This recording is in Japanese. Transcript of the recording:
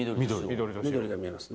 緑が見えます